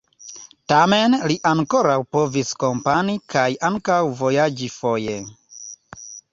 Tamen li ankoraŭ povis komponi kaj ankaŭ vojaĝi foje.